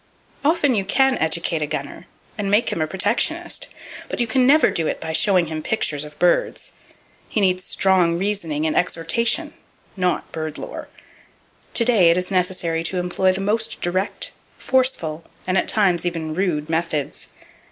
Often you can educate a gunner, and make him a protectionist; but you never can do it by showing him pictures of birds. He needs strong reasoning and exhortation, not bird lore. To day it is necessary to employ the most direct, forceful and at times even rude methods.